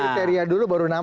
jadi kriteria dulu baru nama